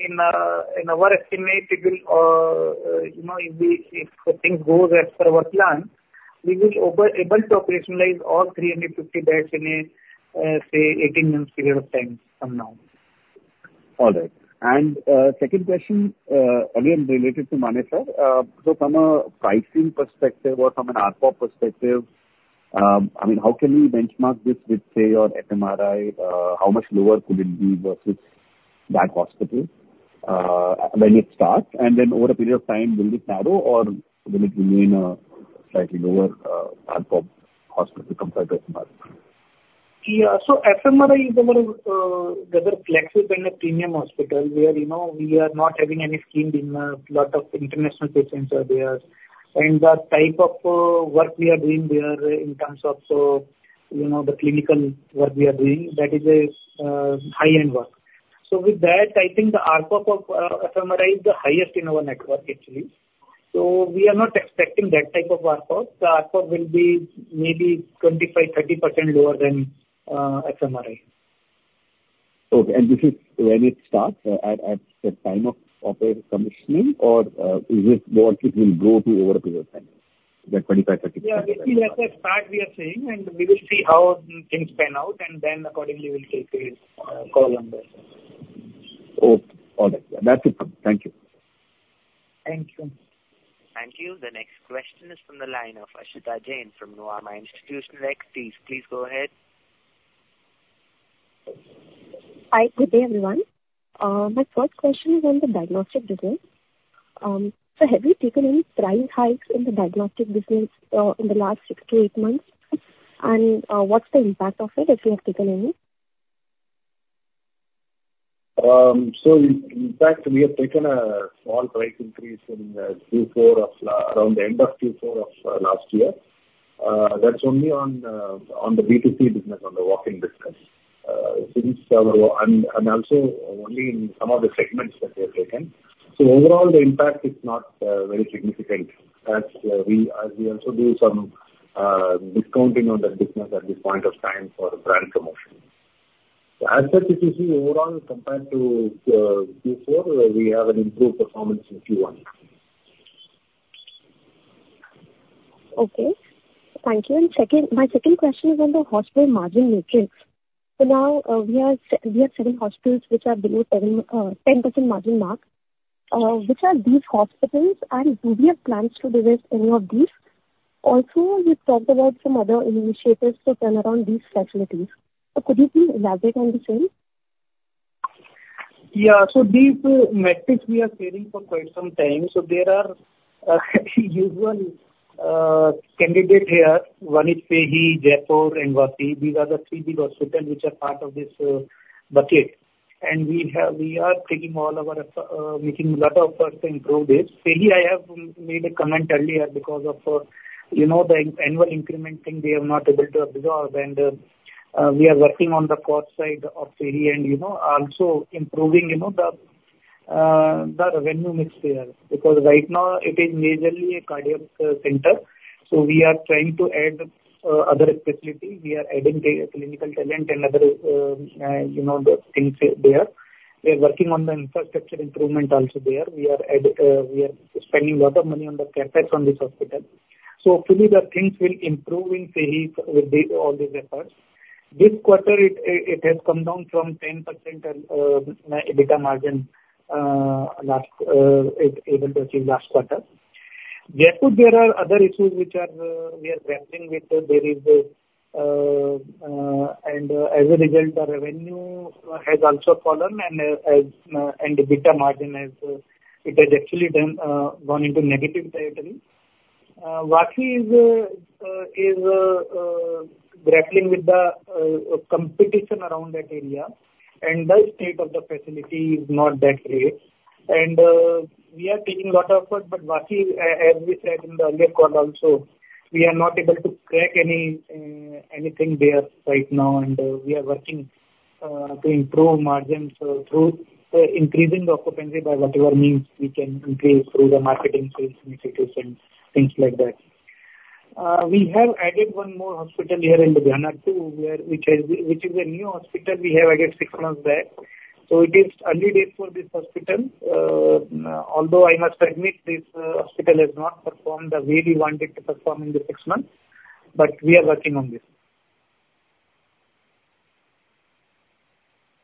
in our estimate, it will, you know, if the thing goes as per our plan, we will open, able to operationalize all 350 beds in a, say, 18 months period of time from now. All right. And, second question, again, related to Manesar. So from a pricing perspective or from an ARPO perspective, I mean, how can we benchmark this with, say, your FMRI? How much lower could it be versus that hospital, when it starts? And then over a period of time, will it narrow or will it remain a slightly lower, ARPO hospital compared to FMRI? Yeah. So FMRI is a very, rather flexible and a premium hospital, where, you know, we are not having any scheme in there, lot of international patients are there. And the type of work we are doing there in terms of, you know, the clinical work we are doing, that is a high-end work. So with that, I think the ARPO for FMRI is the highest in our network, actually. So we are not expecting that type of ARPO. The ARPO will be maybe 25-30% lower than FMRI. Okay. And this is when it starts, at the time of a commissioning or is it more it will grow to over a period of time, that 25-30%? Yeah, this is at the start we are saying, and we will see how things pan out, and then accordingly we'll take a call on this. Okay. All right. That's it. Thank you. Thank you. Thank you. The next question is from the line of Aashita Jain from Nuvama Institutional Equities. Please go ahead. Hi. Good day, everyone. My first question is on the diagnostic business. So have you taken any price hikes in the diagnostic business in the last 6-8 months? And what's the impact of it, if you have taken any? So in fact, we have taken a small price increase in, around the end of Q4 of last year. That's only on the B2C business, on the walk-in business. And also only in some of the segments that we have taken. So overall, the impact is not very significant as we also do some discounting on that business at this point of time for brand promotion. So as such, if you see overall compared to Q4, we have an improved performance in Q1. Okay. Thank you. And second, my second question is on the hospital margin matrix. So now, we have 7 hospitals which are below 10% margin mark. Which are these hospitals, and do we have plans to divest any of these? Also, you talked about some other initiatives to turn around these facilities. So could you please elaborate on the same? Yeah. So these metrics we are sharing for quite some time. So there are usual candidate here. One is FEHI, Jaipur and Vashi. These are the three big hospitals which are part of this bucket. And we have, we are taking all our making a lot of efforts to improve this. FEHI, I have made a comment earlier because of, you know, the annual increment thing, they are not able to absorb and we are working on the cost side of FEHI, and you know, also improving, you know, the, the revenue mix there. Because right now it is majorly a cardiac, center, so we are trying to add, other facilities. We are adding clinical talent and other, you know, the things there. We are working on the infrastructure improvement also there. We are at, we are spending a lot of money on the CapEx on this hospital. So hopefully the things will improve in FEHI with the, all these efforts. This quarter, it has come down from 10% EBITDA margin, last, it able to achieve last quarter. Jaipur, there are other issues which are, we are grappling with. There is—and as a result, the revenue has also fallen and EBITDA margin has actually turned and gone into negative territory. Vashi is grappling with the competition around that area, and the state of the facility is not that great. And we are taking a lot of effort, but Vashi, as we said in the earlier call also, we are not able to crack anything there right now, and we are working to improve margins through increasing the occupancy by whatever means we can increase through the marketing initiatives and things like that. We have added one more hospital here in Ludhiana, too, which is a new hospital we have added six months back, so it is early days for this hospital. Although I must admit, this hospital has not performed the way we wanted to perform in the six months, but we are working on this.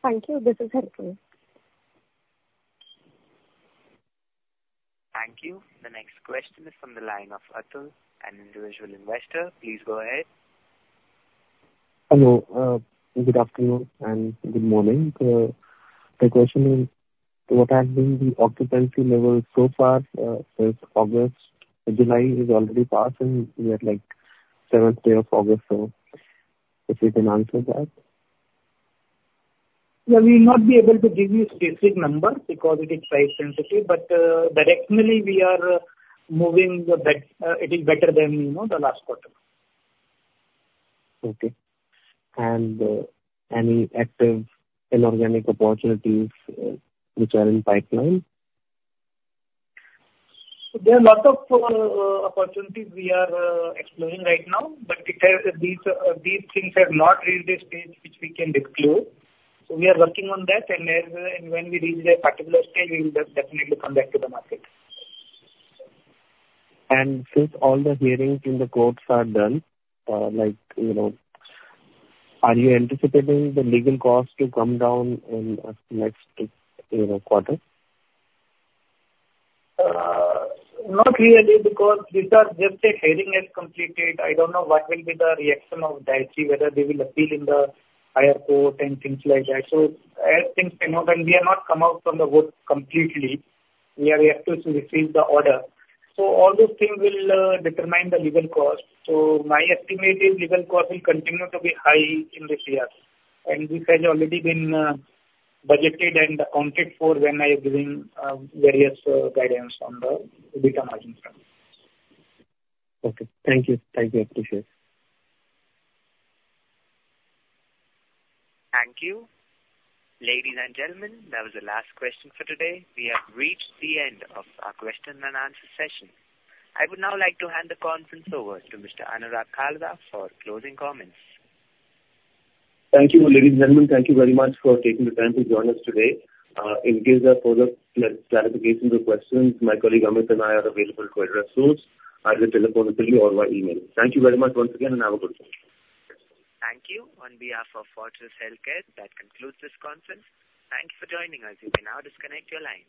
Thank you. This is helpful. Thank you. The next question is from the line of Atul, an individual investor. Please go ahead. Hello. Good afternoon and good morning. My question is, what has been the occupancy levels so far, since August? July is already passed, and we are like seventh day of August. So if you can answer that. Yeah, we will not be able to give you a specific number because it is price sensitive, but, directionally we are moving the best, it is better than, you know, the last quarter. Okay. And any active inorganic opportunities, which are in pipeline? There are a lot of opportunities we are exploring right now, but these things have not reached a stage which we can disclose. So we are working on that, and as and when we reach a particular stage, we will definitely come back to the market. Since all the hearings in the courts are done, like, you know, are you anticipating the legal costs to come down in the next, you know, quarter? Not really, because these are just a hearing is completed. I don't know what will be the reaction of Daiichi, whether they will appeal in the higher court and things like that. So as things, you know, and we have not come out from the woods completely, we are yet to receive the order. So all those things will determine the legal cost. So my estimate is legal cost will continue to be high in this year, and this has already been budgeted and accounted for when I giving various guidance on the EBITDA margin front. Okay. Thank you. Thank you. Appreciate it. Thank you. Ladies and gentlemen, that was the last question for today. We have reached the end of our question-and-answer session. I would now like to hand the conference over to Mr. Anurag Kalra for closing comments. Thank you, ladies and gentlemen. Thank you very much for taking the time to join us today. In case there are further clarifications or questions, my colleague, Amit, and I are available to address those either telephonically or by email. Thank you very much once again, and have a good day. Thank you. On behalf of Fortis Healthcare, that concludes this conference. Thank you for joining us. You can now disconnect your lines.